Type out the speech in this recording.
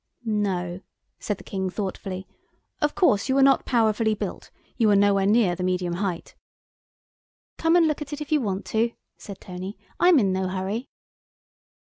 "No," said the King thoughtfully, "of course you are not powerfully built. You are nowhere near the medium height." "Come and look at it if you want to," said Tony. "I'm in no hurry."